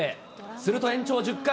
すると延長１０回。